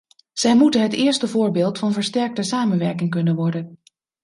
Zij moeten het eerste voorbeeld van versterkte samenwerking kunnen worden.